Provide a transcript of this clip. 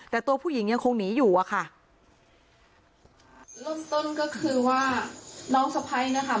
แต่ตัวผู้หญิงยังคงหนีอยู่อะค่ะเริ่มต้นก็คือว่าน้องสะพ้ายนะคะ